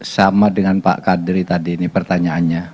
sama dengan pak kadri tadi ini pertanyaannya